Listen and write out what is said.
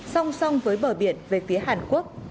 song song với bờ biển về phía hàn quốc